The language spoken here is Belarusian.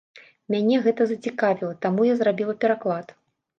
Мяне гэта зацікавіла, таму я зрабіла пераклад.